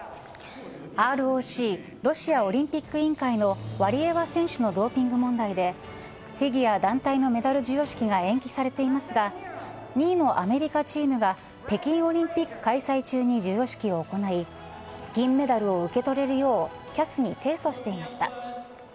ＲＯＣロシアオリンピック委員会のワリエワ選手のドーピング問題でフィギュア団体のメダル授与式が延期されていますが２位のアメリカチームが北京オリンピック開催中に授与式を行い銀メダルを受け取れるようＣＡＳに提訴していました。